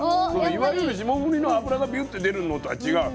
いわゆる霜降りの脂がビュッて出るのとは違う。